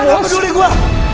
gak peduli gue